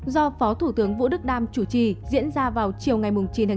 do phó thủ tướng vũ đức đam chủ trì diễn ra vào chiều ngày chín tháng chín